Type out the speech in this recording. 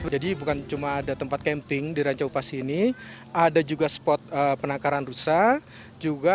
jadi bukan cuma ada tempat camping di ranca upas ini ada juga spot penangkaran rusa juga